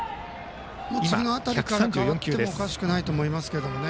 次辺りから代わってもおかしくないと思います。